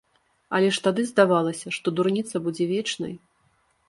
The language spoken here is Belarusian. Але ж тады здавалася, што дурніца будзе вечнай.